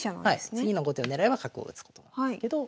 次の後手の狙いは角を打つことなんですけど。